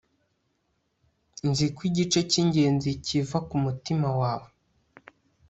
nzi ko igice cyingenzi kiva kumutima wawe